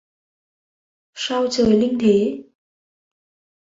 Sao trời linh thế!